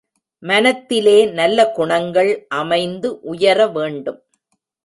மனத்திலே நல்ல குணங்கள் அமைந்து உயர வேண்டும்.